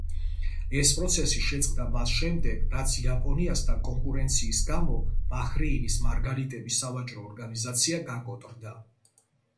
ეს პროცესი შეწყდა მას შემდეგ, რაც იაპონიასთან კონკურენციის გამო ბაჰრეინის მარგალიტების სავაჭრო ორგანიზაცია გაკოტრდა.